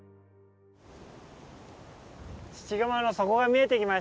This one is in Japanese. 父釜の底が見えてきましたね。